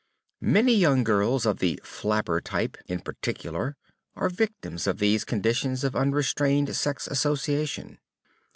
Many young girls of the "flapper" type, in particular, are victims of these conditions of unrestrained sex association.